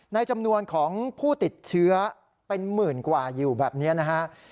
ในจำนวนของผู้ติดเชื้อเป็นหมื่นกว่าอยู่แบบนี้นะฮะ